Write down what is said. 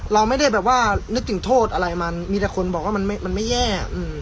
เราไม่ได้แบบว่านึกถึงโทษอะไรมันมีแต่คนบอกว่ามันไม่แย่